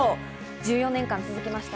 １４年間、続きました。